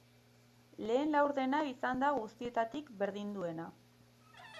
Lehen laurdena izan da guztietatik berdinduena.